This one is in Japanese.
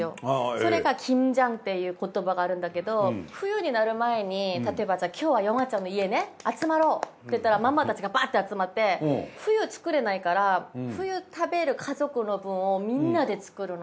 それがキムジャンっていう言葉があるんだけど冬になる前にたとえば今日はヨンアちゃんの家ね集まろう。って言ったらママたちがバッて集まって冬作れないから冬食べる家族の分をみんなで作るの。